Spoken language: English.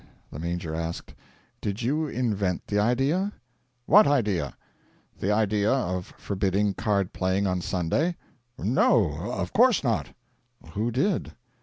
The Major asked: 'Did you invent the idea?' 'What idea?' 'The idea of forbidding card playing on Sunday.' 'No of course not.' 'Who did?'